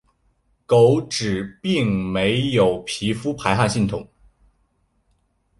狗只并没有皮肤排汗机制。